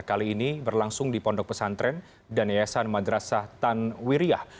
kali ini berlangsung di pondok pesantren dan yayasan madrasah tanwiriyah